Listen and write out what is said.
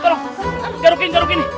tolong garukin garukin